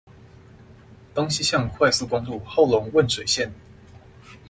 東西向快速公路後龍汶水線